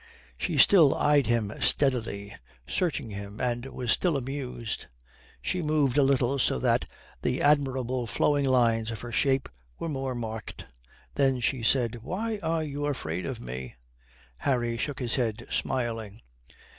She still eyed him steadily, searching him, and was still amused. She moved a little so that the admirable flowing lines of her shape were more marked. Then she said, "Why are you afraid of me?" Harry shook his head, smiling.